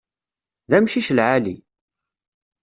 D amcic lɛali!